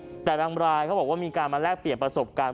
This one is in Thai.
แต่บางรายเขาบอกว่ามีการมาแลกเปลี่ยนประสบการณ์